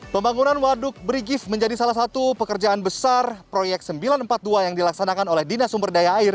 pembangunan waduk berigif menjadi salah satu pekerjaan besar proyek sembilan ratus empat puluh dua yang dilaksanakan oleh dinas sumber daya air